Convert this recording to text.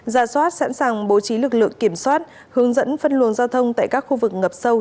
giả soát sẵn sàng bố trí lực lượng kiểm soát hướng dẫn phân luồng giao thông tại các khu vực ngập sâu